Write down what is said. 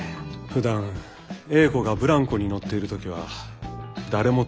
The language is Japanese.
ふだん英子がブランコに乗っている時は誰も隣を使いません。